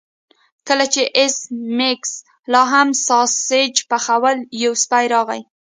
کله چې ایس میکس لاهم ساسج پخول یو سپی راغی